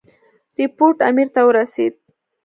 رپوټ امیر ته ورسېد.